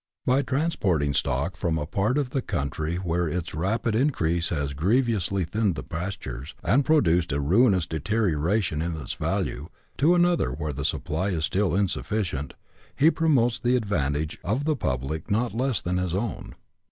By transporting stock from a part of the country where its rapid increase has grievously thinned the pastures, and pro duced a ruinous deterioration in its value, to another where the supply is still insufficient, he promotes the advantage of the public not less than his own.